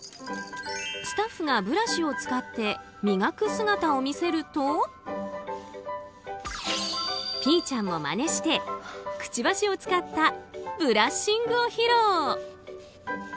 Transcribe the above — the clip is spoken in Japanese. スタッフがブラシを使って磨く姿を見せるとピーちゃんもまねしてくちばしを使ったブラッシングを披露。